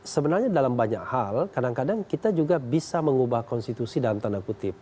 sebenarnya dalam banyak hal kadang kadang kita juga bisa mengubah konstitusi dalam tanda kutip